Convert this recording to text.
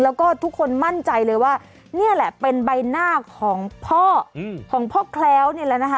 แล้วก็ทุกคนมั่นใจเลยว่านี่แหละเป็นใบหน้าของพ่อของพ่อแคล้วนี่แหละนะคะ